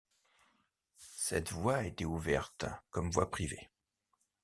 Cette voie a été ouverte, comme voie privée.